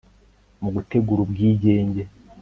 mu gutegura ubwigenge